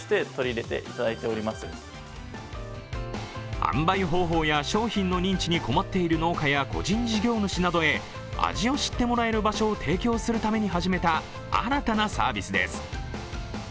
販売方法や商品の認知に困っている農家や個人事業主などへ味を知ってもらえる場所を提供するために始めた新たなサービスです。